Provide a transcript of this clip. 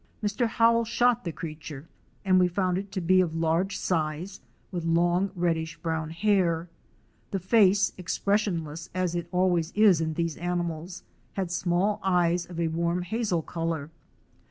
Mr. Howell shot the creature and we found it to be of large size, with long reddish brown hair. The face, expres sionless as it always is in these animals, had small eyes of a warm hazel color.